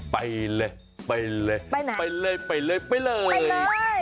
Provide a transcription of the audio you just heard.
ไปเลย